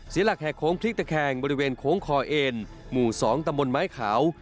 หลักแห่โค้งพลิกตะแคงบริเวณโค้งคอเอ็นหมู่๒ตำบลไม้ขาว